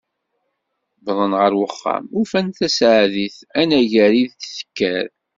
Wwḍen ɣer uxxam, ufan Taseɛdit anagar i d-tekker.